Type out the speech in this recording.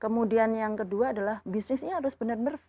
kemudian yang kedua adalah bisnisnya harus benar benar